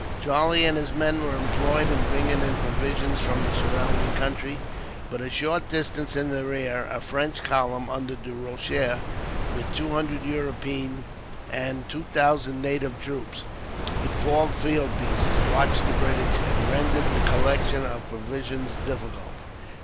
Charlie and his men were employed in bringing in provisions from the surrounding country; but a short distance in the rear, a French column under Du Rocher, with two hundred European and two thousand native troops, with four field pieces, watched the British, and rendered the collection of provisions difficult.